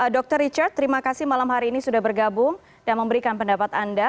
dr richard terima kasih malam hari ini sudah bergabung dan memberikan pendapat anda